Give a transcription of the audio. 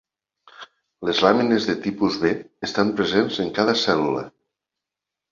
Les làmines de tipus B estan presents en cada cèl·lula.